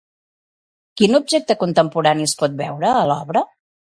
Quin objecte contemporani es pot veure a l'obra?